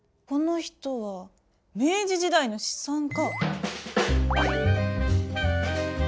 この人は明治時代の資産家。